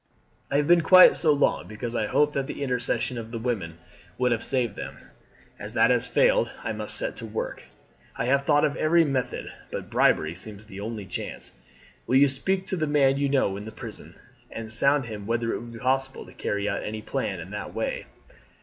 I have been quiet so long because I hoped that the intercession of the women would have saved them. As that has failed I must set to work. I have thought of every method, but bribery seems the only chance. Will you speak to the man you know in the prison, and sound him whether it will be possible to carry out any plan in that way?"